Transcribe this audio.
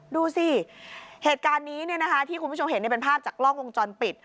ดูสิเหตุการณ์นี้ที่คุณผู้ชมเห็นเป็นภาพจากกล้องวงจรปิด